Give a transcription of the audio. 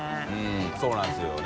Δそうなんですよね。